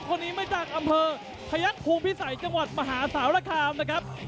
คนนี้มาจากอำเภอพยักษภูมิพิสัยจังหวัดมหาสารคามนะครับ